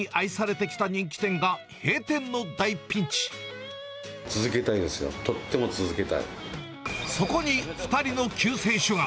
続けたいですよ、とっても続そこに２人の救世主が。